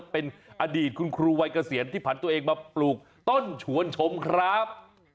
เป็นอดีตคุณครูวัยเกษียณที่ผ่านตัวเองมาปลูกต้นชวนชมครับ